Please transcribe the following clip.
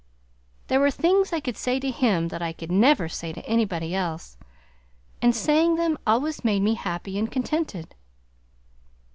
There were things I could say to Him that I could never say to anybody else, and saying them always made me happy and contented.